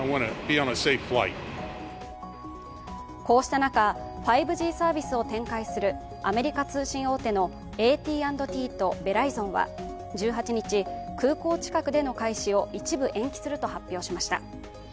こうした中、５Ｇサービスを展開するアメリカ通信大手のＡＴ＆Ｔとベライゾンは１８日、空港近くでの開始を一部延期すると発表しました。